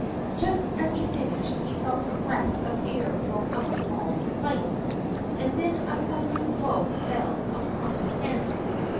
Just as he finished he felt a breath of air blow out all the lights, and then a thundering blow fell upon his head.